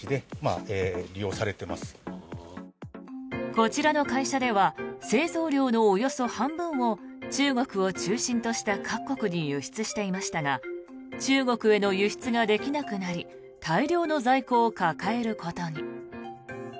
こちらの会社では製造量のおよそ半分を中国を中心とした各国に輸出していましたが中国への輸出ができなくなり大量の在庫を抱えることに。